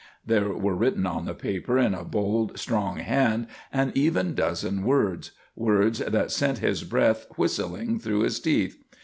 There were written on the paper in a bold, strong hand, an even dozen words; words that sent his breath whistling through his teeth.